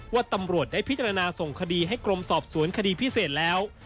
ว่าตำรวจได้พิจารณาส่งคดีให้กรมสอบสวนคดีพิเศษแล้ว